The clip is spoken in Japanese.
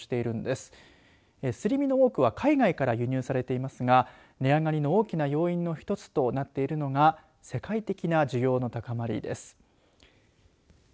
すり身の多くは海外から輸入されていますが値上がりの大きな要因の１つとなっているのが世界的な需要の高まりです。